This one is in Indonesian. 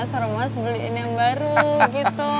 seru mas beliin yang baru gitu